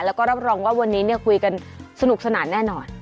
แล้วก็รับรองว่าวันนี้คุยกันสนุกสนานแน่นอน